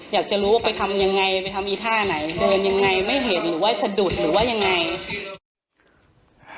อยากจะรู้ว่าไปทำยังไงไปทำอีท่าไหนเดินยังไงไม่เห็นหรือว่าสะดุดหรือว่ายังไง